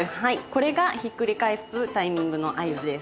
これがひっくり返すタイミングの合図です。